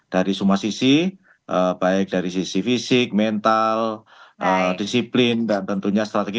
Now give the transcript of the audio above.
dari semua sisi baik dari sisi fisik mental disiplin dan tentunya strategi